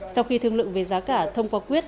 sau khi thương lượng về giá cả thông qua quyết